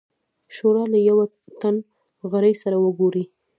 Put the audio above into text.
شورا له یوه تن غړي سره وګوري.